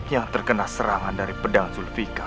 yang terkena serangan dari pedang zulfika